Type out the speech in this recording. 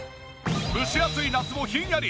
蒸し暑い夏もひんやり！